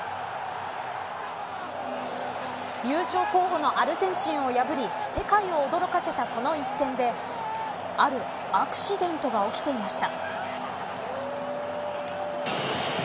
優勝候補のアルゼンチンを破り世界を驚かせたこの一戦であるアクシデントが起きていました。